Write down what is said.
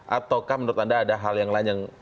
atau menurut anda ada hal lain